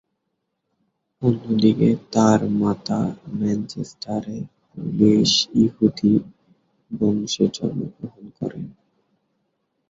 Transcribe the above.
অন্যদিকে তার মাতা ম্যানচেস্টারে পোলিশ ইহুদি বংশে জন্মগ্রহণ করেন।